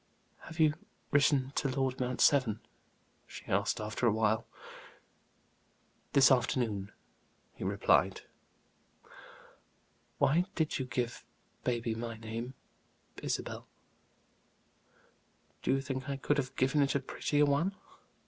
"Have you written to Lord Mount Severn?" she asked after a while. "This afternoon," he replied. "Why did you give baby my name Isabel?" "Do you think I could have given it a prettier one?